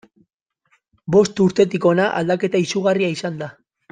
Bost urtetik hona aldaketa izugarria izan da.